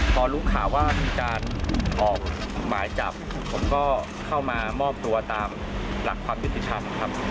พอรู้ข่าวว่ามีการออกหมายจับผมก็เข้ามามอบตัวตามหลักความยุติธรรมครับ